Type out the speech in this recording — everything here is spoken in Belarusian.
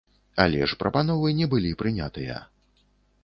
Але ж прапановы не былі прынятыя.